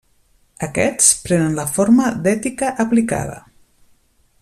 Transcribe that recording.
Aquests prenen la forma d'ètica aplicada.